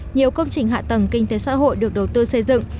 nhiều công trình hạ tầng kinh tế xã hội được đầu tư xây dựng